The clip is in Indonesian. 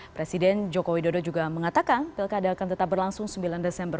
presiden joko widodo juga mengatakan pilkada akan tetap berlangsung sembilan desember